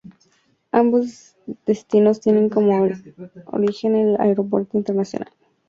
Ambos destinos tienen como origen el Aeropuerto Internacional de El Cairo.